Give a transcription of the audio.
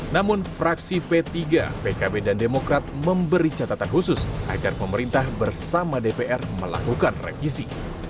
namun fraksi p tiga pkb dan demokrat memberi catatan khusus agar pemerintah bersama dpr melakukan revisi